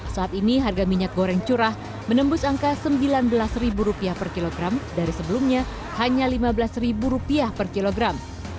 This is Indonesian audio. saat ini harga minyak goreng curah menembus angka rp sembilan belas per kilogram dari sebelumnya hanya rp lima belas per kilogram